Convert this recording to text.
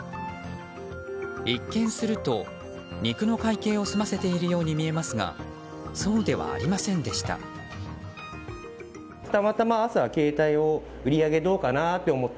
一見すると、肉の会計を済ませているように見えますがそうではありませんでした。